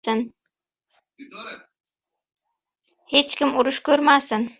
Hech kim urush ko‘rmasin.